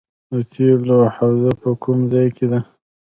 د تیلو حوزه په کوم ځای کې ده؟